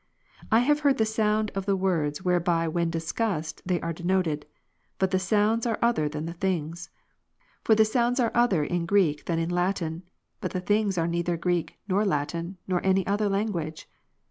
I have heard the sound of the words whereby when discussed they are denoted: but the sounds ai'C other than the things. For the sounds are other in Greek than in Latin : but the things are neither Greek, nor Latin, nor any other language.